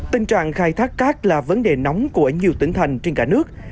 tình trạng khai thác cát là vấn đề nóng của nhiều tỉnh thành trên cả nước